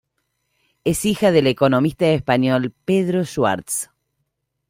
Es hija del economista español Pedro Schwartz.